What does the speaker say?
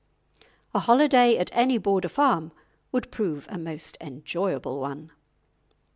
A holiday at any Border farm would prove a most enjoyable one.